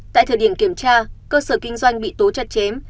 tại thời điểm kiểm tra cơ sở kinh doanh bị tố chặt chém